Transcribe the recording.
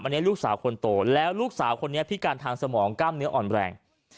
อันนี้ลูกสาวคนโตแล้วลูกสาวคนนี้พิการทางสมองกล้ามเนื้ออ่อนแรง